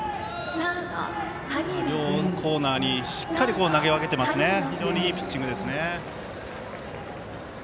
両コーナーにしっかり投げ分けてますね。